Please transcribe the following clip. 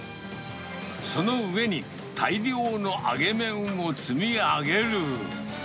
その上に、大量の揚げ麺を積み上げる。